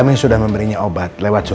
kita perubah kita